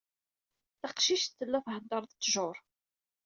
Taqcict tella thedder d ttjur.